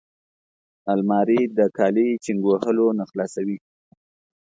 الماري د کالي چینګ وهلو نه خلاصوي